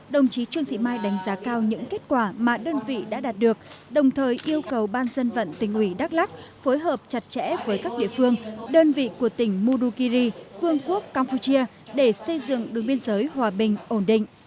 đồng chí trương thị mai đánh giá cao những kết quả mà đơn vị đã đạt được đồng thời yêu cầu ban dân vận tỉnh ủy đắk lắc phối hợp chặt chẽ với các địa phương đơn vị của tỉnh mukiri phương quốc campuchia để xây dựng đường biên giới hòa bình ổn định